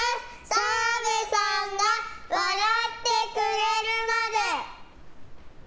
澤部さんが笑ってくれるまで。